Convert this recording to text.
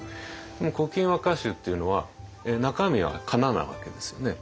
「古今和歌集」っていうのは中身はかななわけですよね。